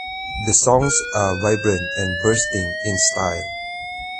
The songs are vibrant and bursting in style.